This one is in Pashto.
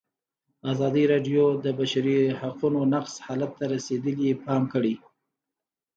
ازادي راډیو د د بشري حقونو نقض حالت ته رسېدلي پام کړی.